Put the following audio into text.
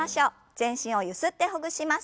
全身をゆすってほぐします。